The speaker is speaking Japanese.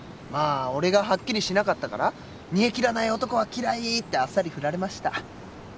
まあ俺がはっきりしなかったから「煮えきらない男は嫌い！」ってあっさり振られました。